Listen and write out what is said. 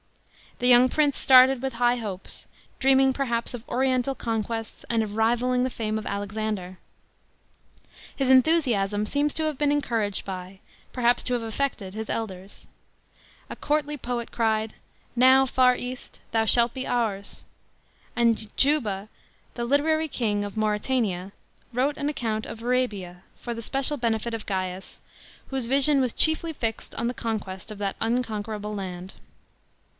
The young prince started with high hopes, dreaming perhaps of oriental conquests and of rivalling the fame of Alexander. His enthusiasm seems to have been encouraged by, perhaps to have affected, his elders. A courtly poet cried, " Now, far East, thou shalt be ours "*; and Juba, the literary king of Mauretania, wrote an account of Arabia, for the special benefit of Gaius, whose vision was chiefly fixed on the conquest of that unconquerable land.